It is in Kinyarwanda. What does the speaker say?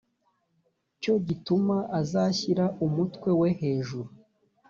cyo gituma azashyira umutwe we hejuru